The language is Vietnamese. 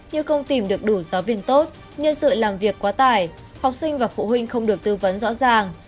như không tìm được đủ giáo viên tốt nhân sự làm việc quá tải học sinh và phụ huynh không được tư vấn rõ ràng